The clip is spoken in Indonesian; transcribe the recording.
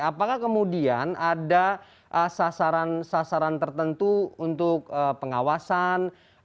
apakah kemudian ada sasaran sasaran tertentu untuk pengawasan